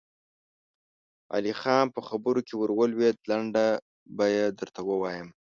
علی خان په خبره کې ور ولوېد: لنډه به يې درته ووايم.